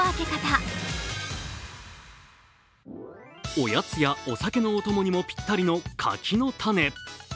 おやつやお酒のお供にもぴったりの柿の種。